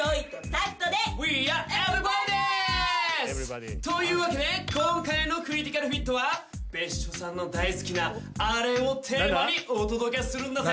Ｅｖｅｒｙｂｏｄｙでーす！というわけで今回のクリティカルフィットは別所さんの大好きなあれをテーマにお届けするんだぜ。